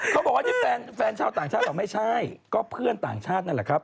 เขาบอกว่านี่แฟนชาวต่างชาติบอกไม่ใช่ก็เพื่อนต่างชาตินั่นแหละครับ